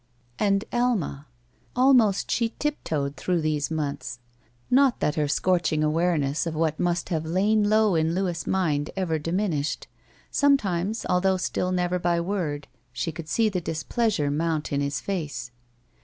And Alma. Almost she tiptoed through these months. Not that her scorching awareness of what must have lain low in Louis' mind ever diminished. Sometimes, although still never by word, she could see the displeasure mount in his face.